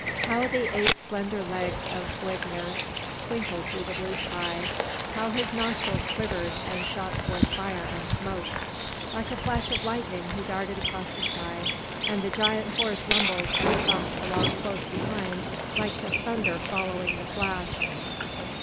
How the eight slender legs of Sleipnir twinkled through the blue sky! How his nostrils quivered and shot forth fire and smoke! Like a flash of lightning he darted across the sky, and the giant horse rumbled and thumped along close behind like the thunder following the flash.